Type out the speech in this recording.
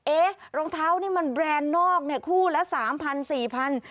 เอ๊ะรองเท้านี่มันแบรนด์นอกคู่ละ๓๐๐๐๔๐๐๐บาท